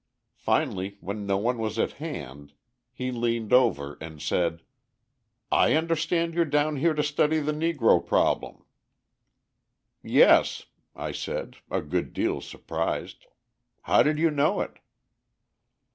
Finally, when no one was at hand, he leaned over and said: "I understand you're down here to study the Negro problem." "Yes," I said, a good deal surprised. "How did you know it?"